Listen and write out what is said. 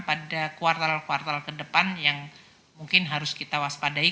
pada kuartal kuartal ke depan yang mungkin harus kita waspadai